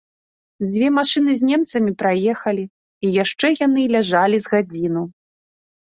Дзве машыны з немцамі праехалі, і яшчэ яны ляжалі з гадзіну.